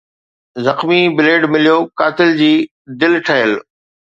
زخمي بليڊ مليو قاتل جي دل ٺهيل